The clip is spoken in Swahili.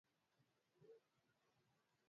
ambayo hutokea yakianzia katika shimo hilo